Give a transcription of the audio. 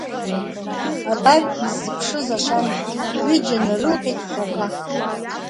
Абар, иззыԥшыз ашана, ҩыџьа нарылҟьеит ԥхьаҟа.